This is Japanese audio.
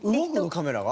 カメラが。